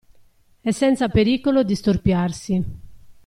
E senza pericolo di storpiarsi.